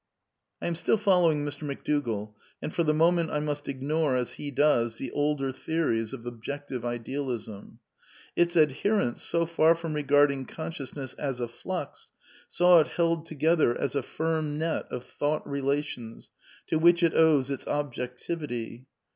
I am still following Mr. McDougall, and for the moment I must ignore, as he does, the older theories of Objective Idealism. Its adherents, so far from regarding conscious ness as a flux, saw it held together in a firm net of " thought relations " to which it owes its " objectivity."